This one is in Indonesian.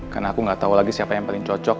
karena aku gak tau lagi siapa yang paling cocok